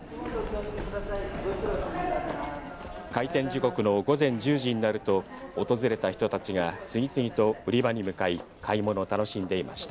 開店時刻の午前１０時になると訪れた人たちが次々と売り場に向かい買い物を楽しんでいました。